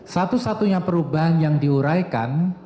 satu satunya perubahan yang diuraikan